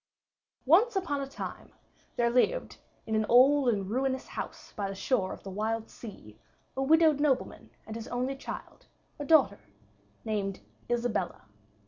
] Once upon a time there lived in an old and ruinous house by the shore of the wild sea, a widowed nobleman and his only child, a daughter named Isabella.